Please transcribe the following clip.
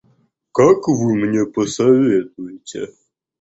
Как вы мне посоветуете?